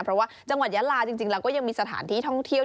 เพราะว่าจังหวัดยาลาจริงแล้วก็ยังมีสถานที่ท่องเที่ยว